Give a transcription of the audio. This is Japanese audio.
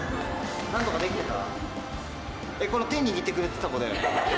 何とかできてた？